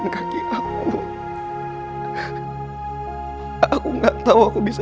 kaki itu emas